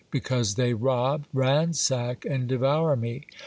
Because they rob, ransack, and devour me.